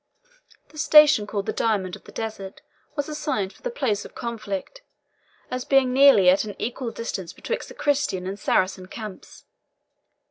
The station called the Diamond of the Desert was assigned for the place of conflict, as being nearly at an equal distance betwixt the Christian and Saracen camps.